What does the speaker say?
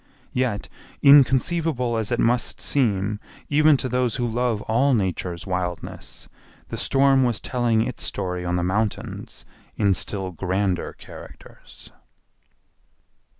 Yet inconceivable as it must seem even to those who love all Nature's wildness, the storm was telling its story on the mountains in still grander characters.